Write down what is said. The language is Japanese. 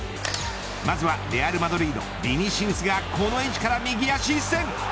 まずはレアルマドリードヴィニシウスがこの位置から右足一閃。